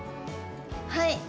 はい！